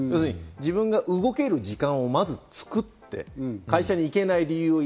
自分が動ける時間をまず作って、会社に行けない理由を